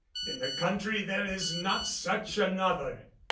In the country there is not such another